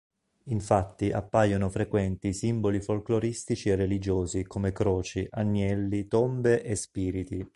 Infatti appaiono frequenti simboli folcloristici e religiosi come croci, agnelli, tombe e spiriti.